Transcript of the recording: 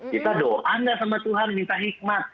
kita doa anda sama tuhan minta hikmat